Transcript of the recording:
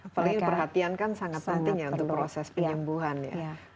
apalagi perhatian kan sangat penting ya untuk proses penyembuhan ya